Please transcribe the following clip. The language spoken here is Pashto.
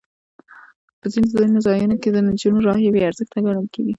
په ځینو ځایونو کې د نجونو رایه بې ارزښته ګڼل کېږي.